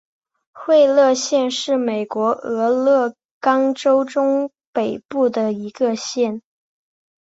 惠勒县是美国俄勒冈州中北部的一个县。